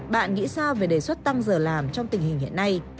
bạn nghĩ sao về đề xuất tăng giờ làm trong tình hình hiện nay